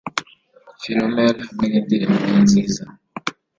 Philomel hamwe nindirimboye nziza